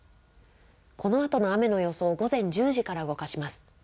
このあとの雨の予想、午前１０時から動かします。